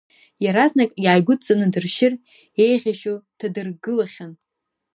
Иаразнак иааигәыдҵаны дыршьыр еиӷьишьо дҭадыргылахьан.